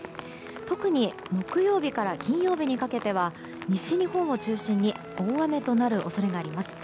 特に木曜日から金曜日にかけては西日本を中心に大雨となる恐れがあります。